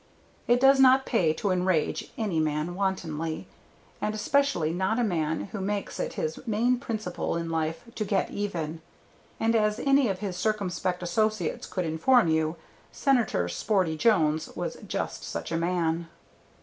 It does not pay to enrage any man wantonly, and especially not a man who makes it his main principle in life to get even. And as any of his circumspect associates could inform you, Senator Sporty Jones was just such a man.